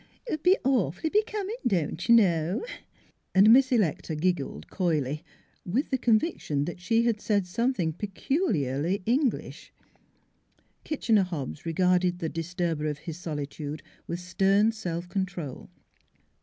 It would be awfully becoming, don't y' know?,' NEIGHBORS 335 And Miss Electa giggled coyly, with the con viction that she had said something peculiarly English. Kitchener Hobbs regarded the disturber of his solitude with stern self control.